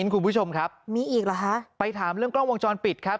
คุณผู้ชมครับมีอีกเหรอฮะไปถามเรื่องกล้องวงจรปิดครับ